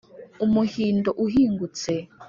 Umuhindo uhingutse